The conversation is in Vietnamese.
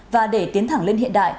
và để tiến thẳng lên hiện đại